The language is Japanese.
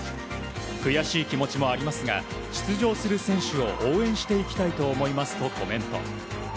悔しい気持ちもありますが出場する選手を応援していきたいと思いますとコメント。